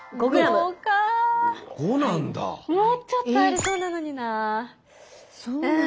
もうちょっとありそうなのにな。